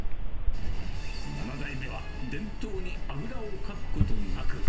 ７代目は伝統にあぐらをかくことなく。